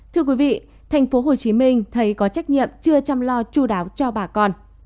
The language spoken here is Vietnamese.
thưa quý vị thành phố hồ chí minh thấy có trách nhiệm chưa chăm lo chú đáo cho bà con